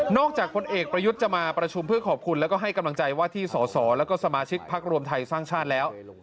จากพลเอกประยุทธ์จะมาประชุมเพื่อขอบคุณแล้วก็ให้กำลังใจว่าที่สอสอแล้วก็สมาชิกพักรวมไทยสร้างชาติแล้ว